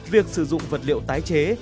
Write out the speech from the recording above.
việc sử dụng vật liệu tái chế